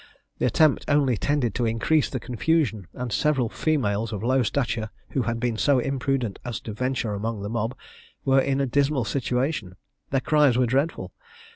The attempt only tended to increase the confusion, and several females of low stature, who had been so imprudent as to venture among the mob, were in a dismal situation: their cries were dreadful.